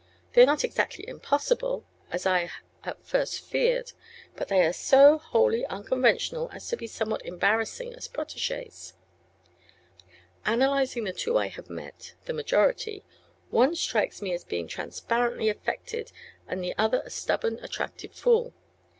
They are not exactly impossible, as I at first feared, but they are so wholly unconventional as to be somewhat embarrassing as protégées. Analyzing the two I have met the majority one strikes me as being transparently affected and the other a stubborn, attractive fool.